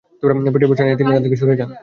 পেটের বর্শা নিয়েই তিনি তার দিকে ছুটে যান।